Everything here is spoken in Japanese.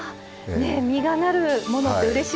実がなるものってうれしいですよね。